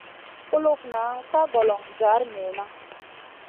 Kulufna ka golon jar niyna.